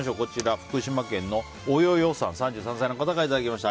福島県の３３歳の方からいただきました。